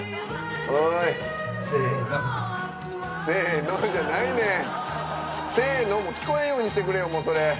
「せの」も聞こえんようにしてくれよそれ。